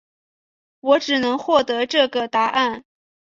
我只能获得这个答案